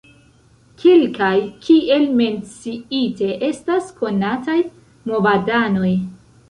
Kelkaj, kiel menciite, estas konataj movadanoj.